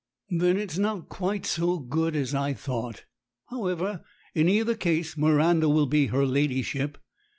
"Then it's not quite so good as I thought. However, in either case, Miranda will be her ladyship.